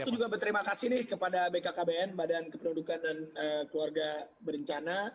jadi aku juga berterima kasih nih kepada bkkbn badan keperadukan dan keluarga berencana